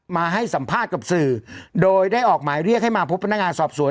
มาให้สัมภาษณ์กับสื่อโดยได้ออกหมายเรียกให้มาพบพนักงานสอบสวน